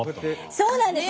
そうなんです。